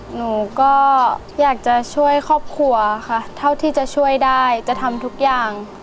หนูก็อยากจะช่วยครอบครัวค่ะเท่าที่จะช่วยได้จะทำทุกอย่าง